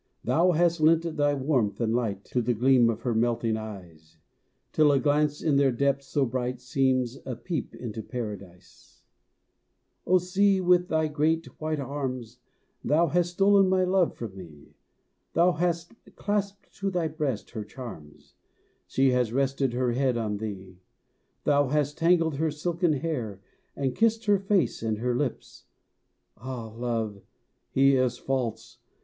Thou hast lent thy warmth and light To the gleam of her melting eyes, Till a glance in their depths so bright Seems a peep into Paradise. O sea, with thy great white arms, Thou hast stolen my love from me! Thou hast clasped to thy breast her charms; She has rested her head on thee. Thou hast tangled her silken hair, And kissed her face and her lips Ah! Love, he is false!